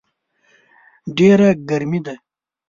ډېره ګرمي ده